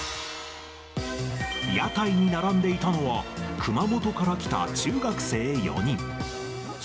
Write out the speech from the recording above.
屋台に並んでいたのは、熊本から来た中学生４人。